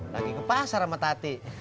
lagi ke pasar sama tati